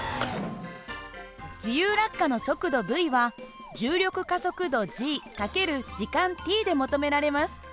自由落下の速度υは重力加速度×時間ｔで求められます。